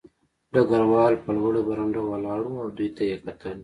ډګروال په لوړه برنډه ولاړ و او دوی ته یې کتل